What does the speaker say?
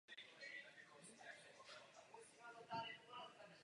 Jedním z prvních návštěvníků byl Felix Mendelssohn.